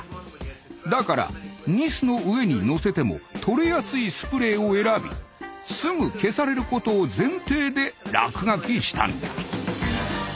だからニスの上にのせても取れやすいスプレーを選びすぐ消されることを前提で落書きしたんだ。